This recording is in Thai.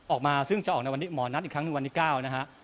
ออกมาซึ่งจะออกในวันนี้หมอนัดอีกครั้งหนึ่งวันที่๙นะฮะ